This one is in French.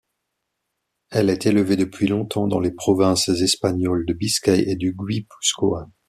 Elle est élevée depuis longtemps dans les provinces espagnoles de Biscaye et du Guipuscoa.